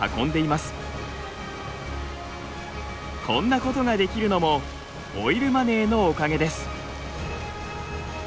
こんなことができるのもオイルマネーのおかげです。